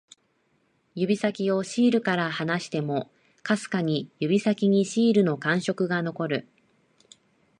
指先をシールから離しても、かすかに指先にシールの感触が残る